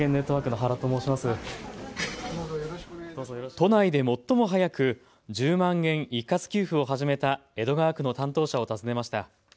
都内で最も早く１０万円一括給付を始めた江戸川区の担当者を訪ねました。